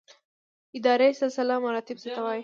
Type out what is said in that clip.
اداري سلسله مراتب څه ته وایي؟